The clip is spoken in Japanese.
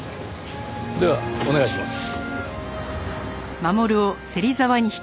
ではお願いします。